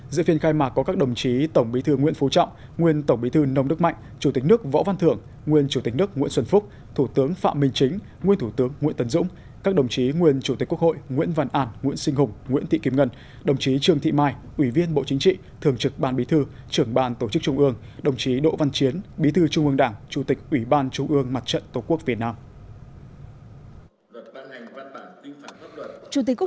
giữa phiên khai mạc có các đồng chí tổng bí thư nguyễn phú trọng nguyên tổng bí thư nông đức mạnh chủ tịch nước võ văn thưởng nguyên chủ tịch nước nguyễn xuân phúc thủ tướng phạm minh chính nguyên thủ tướng nguyễn tân dũng các đồng chí nguyên chủ tịch quốc hội nguyễn văn ản nguyễn sinh hùng nguyễn thị kim ngân đồng chí trương thị mai ủy viên bộ chính trị thường trực ban bí thư trưởng ban tổ chức trung ương đồng chí đỗ văn chiến bí thư trung ương đảng chủ tịch ủ